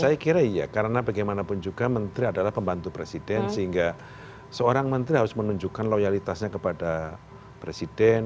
saya kira iya karena bagaimanapun juga menteri adalah pembantu presiden sehingga seorang menteri harus menunjukkan loyalitasnya kepada presiden